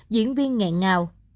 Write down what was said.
diễn viên ngẹn ngào